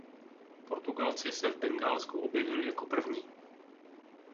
Portugalci se v Bengálsku objevili jako první.